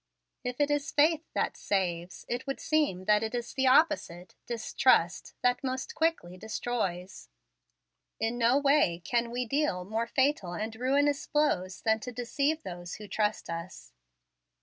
If it is faith that saves, it would seem that it is its opposite distrust that most quickly destroys. In no way can we deal more fatal and ruinous blows than to deceive those who trust us.